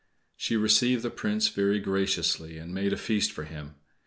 She received the Prince very graciously and made a feast for him.